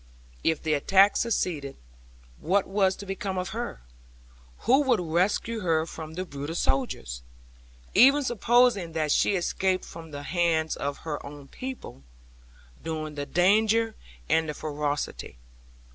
If the attack succeeded, what was to become of her? Who would rescue her from the brutal soldiers, even supposing that she escaped from the hands of her own people, during the danger and ferocity?